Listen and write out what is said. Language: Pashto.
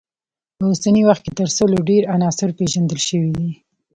په اوسني وخت کې تر سلو ډیر عناصر پیژندل شوي دي.